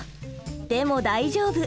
でも大丈夫。